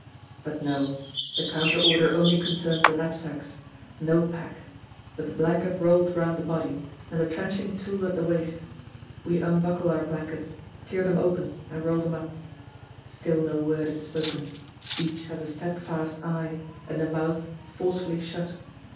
But no; the counter order only concerns the knapsacks. No pack; but the blanket rolled round the body, and the trenching tool at the waist. We unbuckle our blankets, tear them open and roll them up. Still no word is spoken; each has a steadfast eye and the mouth forcefully shut.